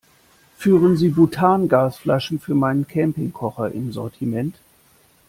Führen Sie Butangasflaschen für meinen Campingkocher im Sortiment?